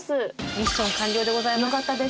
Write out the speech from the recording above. ミッション完了でございます。